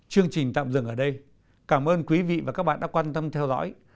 chương trình tạm dừng ở đây cảm ơn quý vị và các bạn đã quan tâm theo dõi